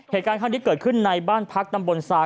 เหตุการณ์ที่เกิดขึ้นในบ้านพักตำบลซาก